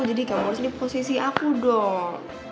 jadi kamu harus di posisi aku dong